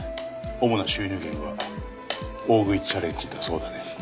主な収入源は大食いチャレンジだそうだね。